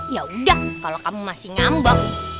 yaudah kalau kamu masih ngambak